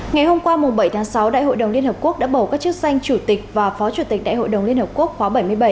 ngày hôm qua bảy tháng sáu đại hội đồng liên hợp quốc đã bầu các chức danh chủ tịch và phó chủ tịch đại hội đồng liên hợp quốc khóa bảy mươi bảy